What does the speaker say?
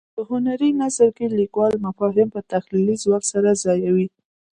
په هنري نثر کې لیکوال مفاهیم په تخیلي ځواک سره ځایوي.